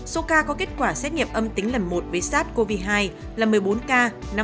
số ca có kết quả xét nghiệm âm tính lần một với sars cov hai là một mươi bốn ca năm